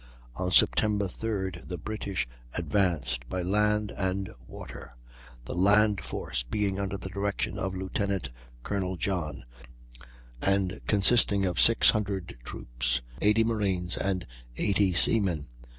On Sept. 3d the British advanced by land and water, the land force being under the direction of Lieutenant Colonel John, and consisting of 600 troops, 80 marines, and 80 seamen.